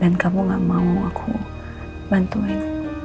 dan kamu gak mau aku bantuin